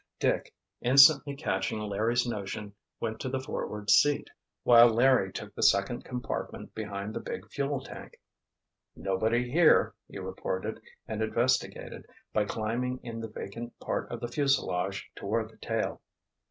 Dick, instantly catching Larry's notion, went to the forward seat, while Larry took the second compartment behind the big fuel tank. "Nobody here," he reported, and investigated, by climbing in the vacant part of the fuselage toward the tail.